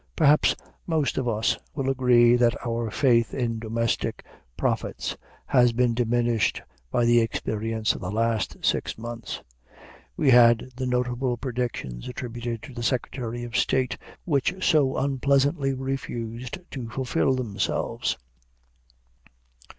Perhaps most of us will agree that our faith in domestic prophets has been diminished by the experience of the last six months. We had the notable predictions attributed to the Secretary of State, which so unpleasantly refused to fulfill themselves.